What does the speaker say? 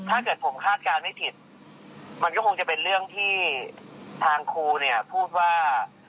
ถ้าเกิดผมคาดการณ์ไม่ผิดมันก็คงจะเป็นเรื่องที่ทางครูเนี่ยพูดว่า